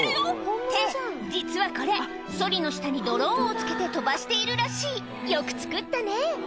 って実はこれソリの下にドローンを付けて飛ばしているらしいよく作ったね